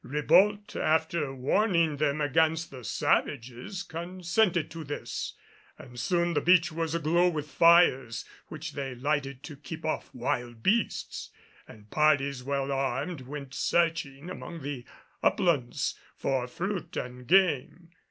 Ribault, after warning them against the savages, consented to this, and soon the beach was aglow with fires which they lighted to keep off wild beasts; and parties well armed went searching among the uplands for fruit and game.